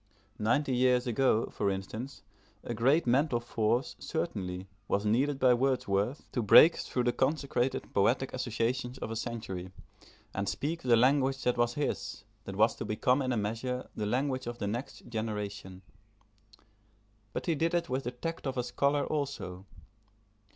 Ninety years ago, for instance, great mental force, certainly, was needed by Wordsworth, to break through the consecrated poetic associations of a century, and speak the language that was his, that was to become in a measure the language of the next generation. But he did it with the tact of a scholar also.